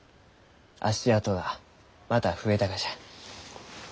足跡がまた増えたがじゃ。